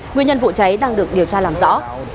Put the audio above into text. nguyên nhân vụ cháy đang được điều tra làm rõ